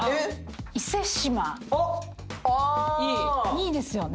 いいですよね。